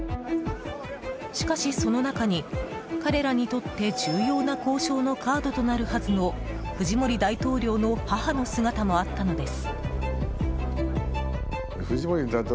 しかしその中に、彼らにとって重要な交渉のカードとなるはずのフジモリ大統領の母の姿もあったのです。